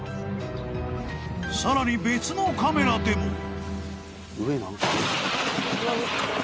［さらに別のカメラでも］